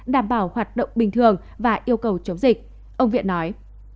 đảm bảo hoạt động bình thường và yêu cầu chống dịch ông viện nói